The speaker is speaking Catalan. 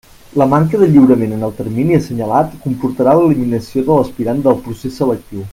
La manca de lliurament en el termini assenyalat comportarà l'eliminació de l'aspirant del procés selectiu.